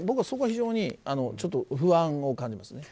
そこが非常に不安を感じます。